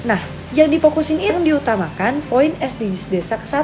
nah yang difokusin irum diutamakan poin sdgs desa ke satu